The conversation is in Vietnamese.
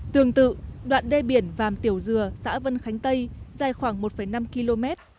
tương tự đoạn đê biển vàm tiểu dừa xã vân khánh tây dài khoảng một năm km